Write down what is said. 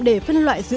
để phân loại doanh thu